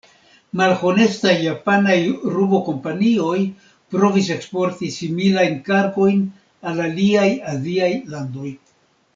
Malhonestaj japanaj rubo-kompanioj provis eksporti similajn kargojn al aliaj aziaj landoj.